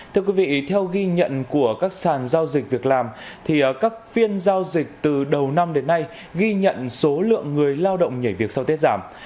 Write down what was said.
thưa quý vị theo ghi nhận của các sàn giao dịch việc làm thì các phiên giao dịch từ đầu năm đến nay ghi nhận số lượng người lao động nhảy việc sau tết giảm